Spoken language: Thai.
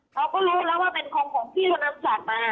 เขาก็รู้แล้วว่าเป็นกล่องของพี่คนนั้นสั่งมา